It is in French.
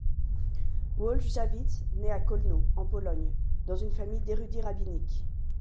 Wolf Jawitz naît à Kolno, en Pologne, dans une famille d’érudits rabbiniques.